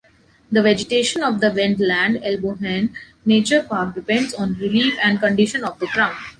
The vegetation of the Wendland-Elbhöhen Nature Park depends on relief and condition of the ground.